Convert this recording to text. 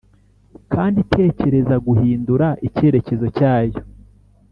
kandi tekereza guhindura icyerekezo cyayo.